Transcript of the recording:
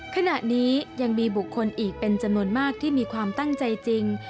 ขณะนี้ยังมีบุคคลอีกเป็นจำนวนมากที่มีความตั้งใจจริง